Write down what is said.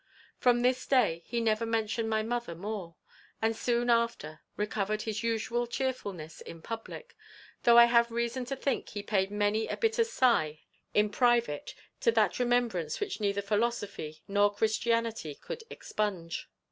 From this day he never mentioned my mother more, and soon after recovered his usual chearfulness in public; though I have reason to think he paid many a bitter sigh in private to that remembrance which neither philosophy nor Christianity could expunge.